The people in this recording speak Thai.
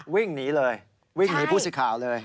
วิ่งหนีเลยวิ่งหนีผู้สิทธิ์ข่าวเลย